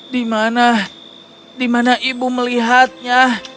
di mana di mana ibu melihatnya